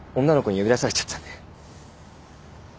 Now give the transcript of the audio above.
女の子に呼び出されちゃったんで。